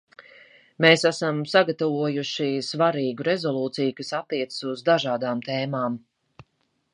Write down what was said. Mēs esam sagatavojuši svarīgu rezolūciju, kas attiecas uz dažādām tēmām.